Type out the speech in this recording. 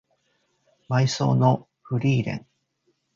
葬送のフリーレン